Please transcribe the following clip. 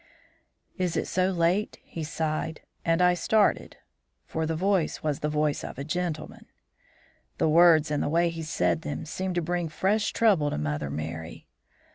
"'Is it so late?' he sighed; and I started, for the voice was the voice of a gentleman. "The words, and the way he said them, seemed to bring fresh trouble to Mother Merry.